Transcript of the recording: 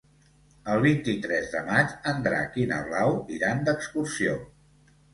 El vint-i-tres de maig en Drac i na Blau iran d'excursió.